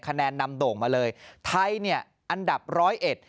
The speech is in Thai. คะแนนนำโด่งมาเลยไทยเนี่ยอันดับร้อยเอ็ด